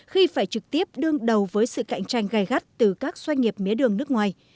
khi phải trực tiếp đương đầu với sự cạnh tranh gai gắt từ các doanh nghiệp mía đường nước ngoài